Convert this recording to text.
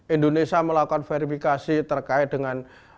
indonesia melakukan verifikasi terkait dengan